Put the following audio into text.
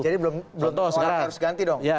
jadi belum orang harus ganti dong